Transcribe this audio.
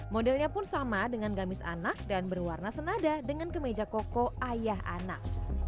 modelnya pun sama dengan gamis anak dan berwarna senada dengan kemeja koko ayah anak